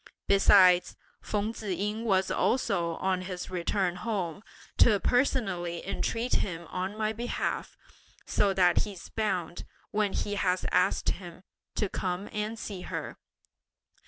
Besides, Feng Tzu ying was also on his return home, to personally entreat him on my behalf, so that he's bound, when he has asked him, to come and see her.